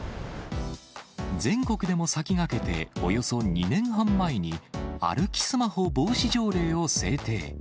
全国でも先駆けておよそ２年半前に、歩きスマホ防止条例を制定。